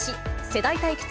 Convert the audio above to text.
世代対決